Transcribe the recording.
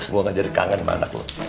gue gak jadi kangen sama anak lo